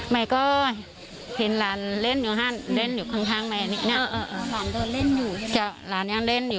แม่ก็เห็นหลานเล่นอยู่เล่นอยู่ข้างไหม